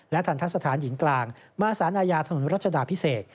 และทันทัศนฐานหญิงกลางมาสานายาถนนรัชดาพิเศษ